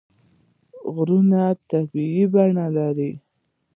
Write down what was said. غرونه طبیعي بڼه لري.